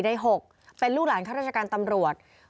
ใน๖เป็นลูกหลานข้าราชการตำรวจ